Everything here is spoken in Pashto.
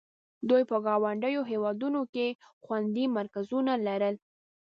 دوی په ګاونډیو هېوادونو کې خوندي مرکزونه لرل.